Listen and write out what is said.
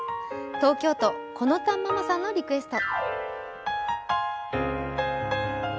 東京都、このたんママさんのリクエスト。